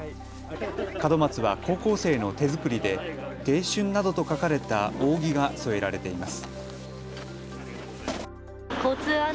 門松は高校生の手作りで迎春などと書かれた扇が添えられています。